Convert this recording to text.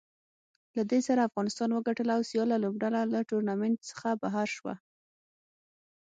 له دې سره افغانستان وګټله او سیاله لوبډله له ټورنمنټ څخه بهر شوه